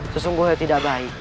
sesungguhnya tidak baik